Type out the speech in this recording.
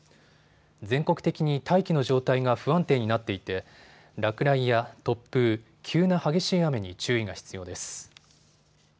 全国的に大気の状態が不安定になっていて落雷や突風、急な激しい雨に注意が必要です。